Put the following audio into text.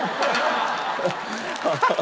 ハハハハ！